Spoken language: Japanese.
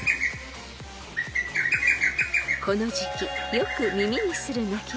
［この時期よく耳にする鳴き声］